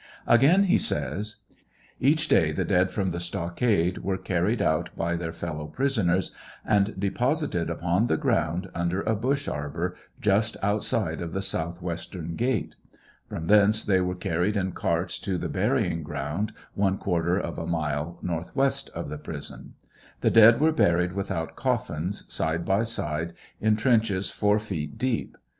Again he says : Each day the dead from the stockade were carried out by their fellow prisoners and de posited upon the ground under a bush arbor just outside of the southwestern gate. Prom thence they were carried in carts to the burying ground, one quarter of a mile, northwest of the prison. The dead were buried without coffins, side by side, in trenches four feet deep.